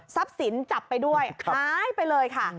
สินจับไปด้วยหายไปเลยค่ะ